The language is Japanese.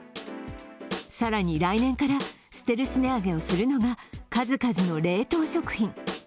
更に、来年からステルス値上げをするのが数々の冷凍食品。